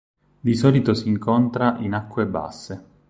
Di solito si incontra in acque basse.